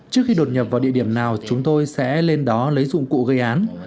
trước khi đột nhập vào địa điểm nào chúng tôi sẽ lên đó lấy dụng cụ gây án